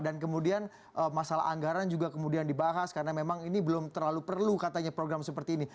dan kemudian masalah anggaran juga kemudian dibahas karena memang ini belum terlalu perlu katanya program seperti ini